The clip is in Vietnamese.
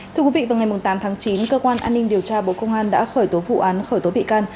thưa quý vị vào ngày tám tháng chín cơ quan an ninh điều tra bộ công an đã khởi tố vụ án khởi tố bị can